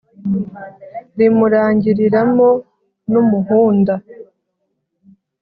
Rimurangiriramo n'umuhunda.